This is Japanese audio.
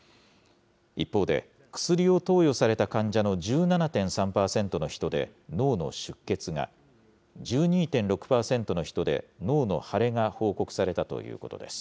一方で、薬を投与された患者の１７．３％の人で脳の出血が、１２．６％の人で脳の腫れが報告されたということです。